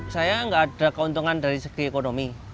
saya nggak ada keuntungan dari segi ekonomi